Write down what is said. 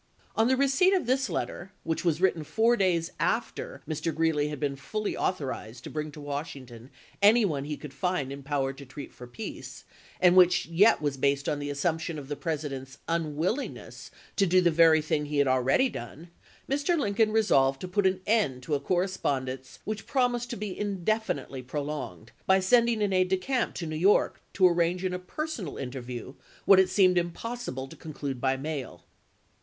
On the receipt of this letter, which was written four days after Mr. Greeley had been fully author ized to bring to Washington any one he could find empowered to treat for peace, and which yet was based on the assumption of the President's unwill ingness to do the very thing he had already done, Mr. Lincoln resolved to put an end to a correspond ence which promised to be indefinitely prolonged, by sending an aide de camp to New York to ar range in a personal interview what it seemed im possible to conclude by mail.